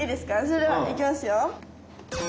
それではいきますよ。